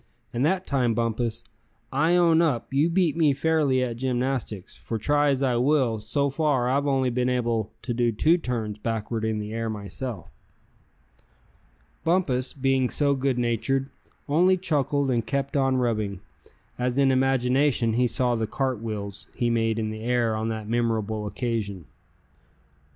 And that time, Bumpus, I own up you beat me fairly at gymnastics; for try as I will, so far I've only been able to do two turns backward in the air, myself." Bumpus, being so good natured, only chuckled and kept on rubbing, as in imagination he saw the "cartwheels" he made in the air on that memorable occasion.